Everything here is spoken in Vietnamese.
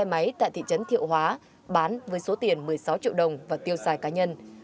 xe máy tại thị trấn thiệu hóa bán với số tiền một mươi sáu triệu đồng và tiêu xài cá nhân